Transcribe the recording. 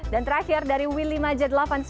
dan terakhir dari willymajet delapan puluh sembilan